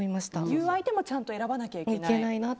言う相手もちゃんと選ばなきゃいけない。